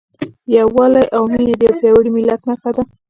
یووالی او مینه د یو پیاوړي ملت نښه ده.